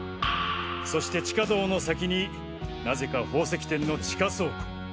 そして地下道の先になぜか宝石店の地下倉庫。